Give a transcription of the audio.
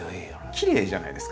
きれいじゃないですか。